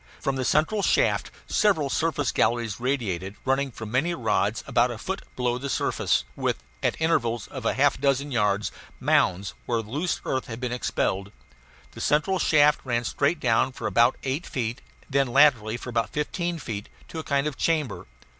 From the central shaft several surface galleries radiated, running for many rods about a foot below the surface, with, at intervals of half a dozen yards, mounds where the loose earth had been expelled. The central shaft ran straight down for about eight feet, and then laterally for about fifteen feet, to a kind of chamber.